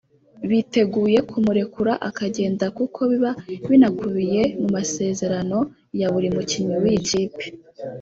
biteguye kumurekura akagenda kuko biba binakubiye mu masezerano ya buri mukinnyi w’iyi kipe